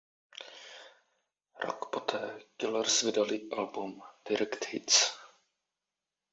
Rok poté Killers vydali album "Direct Hits".